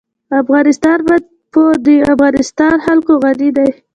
افغانستان په د افغانستان جلکو غني دی.